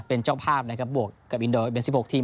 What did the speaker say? เป็นเจ้าภาพนะครับบวกกับอินโดเป็น๑๖ทีม